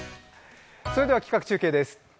それでは企画中継です。